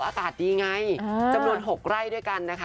อากาศดีไงจำนวน๖ไร่ด้วยกันนะคะ